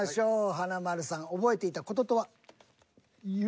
華丸さん覚えていた事とは？